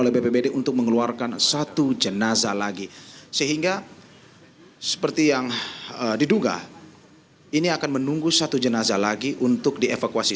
sehingga seperti yang diduga ini akan menunggu satu jenazah lagi untuk dievakuasi